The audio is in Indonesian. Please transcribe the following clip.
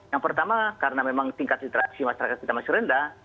yang pertama karena memang tingkat literasi masyarakat kita masih rendah